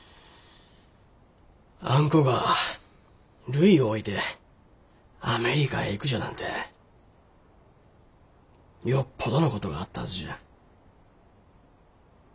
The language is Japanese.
あんこがるいを置いてアメリカへ行くじゃなんてよっぽどのことがあったはずじゃ。